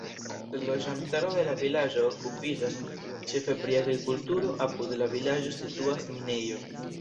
La loĝantaro de la vilaĝo okupiĝas ĉefe pri agrikulturo; apud la vilaĝo situas minejo.